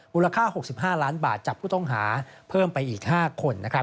เวลาค่าหกสิบห้าล้านบาทจับผู้ต้องหาเพิ่มไปอีกห้าคน